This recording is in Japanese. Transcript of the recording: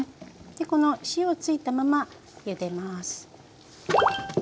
この塩付いたままゆでます。